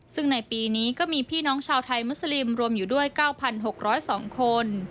ซึ่งในปีนี้ก็มีพี่น้องชาวไทยมุสลิมรวมอยู่ด้วย๙๖๐๒คน